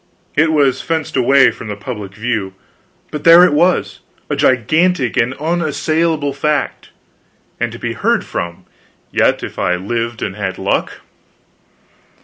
It was fenced away from the public view, but there it was, a gigantic and unassailable fact and to be heard from, yet, if I lived and had luck.